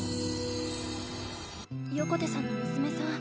横手さんのむすめさん